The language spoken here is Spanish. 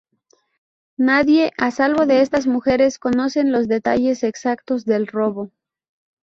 Nadie, a salvo de estas mujeres conocen los detalles exactos del robo.